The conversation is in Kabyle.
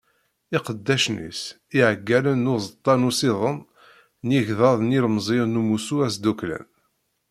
Iqeddacen-is, iɛeggalen n uẓeṭṭa n usiḍen n yigḍaḍ d yilemẓiyen n umussu asdukklan.